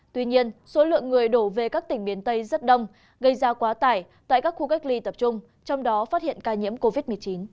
tuy nhiên số lượng người đổ về các tỉnh miền tây rất đông gây ra quá tải tại các khu cách ly tập trung trong đó phát hiện ca nhiễm covid một mươi chín